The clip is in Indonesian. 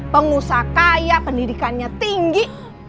pengusaha kaya pendidikannya tinggi